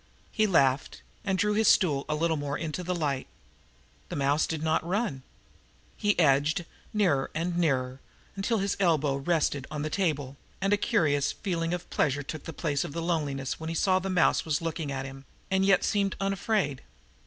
He laughed, and drew his stool a little more into the light. The mouse did not run. He edged nearer and nearer, until his elbows rested on the table, and a curious feeling of pleasure took the place of his loneliness when he saw that the mouse was looking at him, and yet seemed unafraid.